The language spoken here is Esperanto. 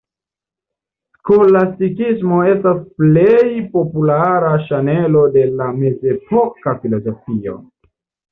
Skolastikismo estas plej populara ŝanelo de la mezepoka filozofio.